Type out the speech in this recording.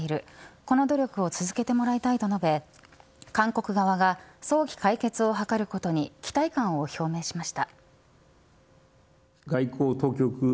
この努力を続けてもらいたいと述べ韓国側が早期解決を図ることに期待感を表明しました。